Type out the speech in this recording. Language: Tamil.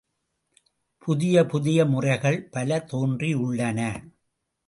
புதிய புதிய முறைகள் பல தோன்றியுள்ளன.